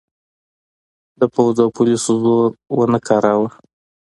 د پوځ او پولیسو زور ونه کاراوه.